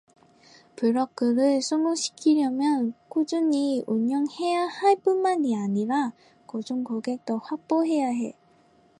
블로그를 성공시키려면 꾸준히 운영해야 할 뿐만이 아니라 고정 고객도 확보해야 해.